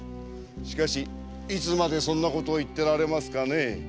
しかしいつまでそんなことを言ってられますかねえ？